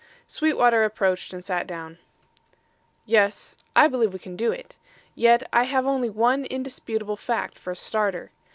Sweetwater approached and sat down. "Yes; I believe we can do it; yet I have only one indisputable fact for a starter.